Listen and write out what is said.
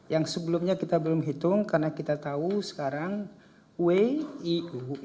yang sebelumnya kita belum hitung karena kita tahu sekarang wiui